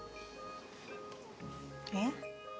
えっ？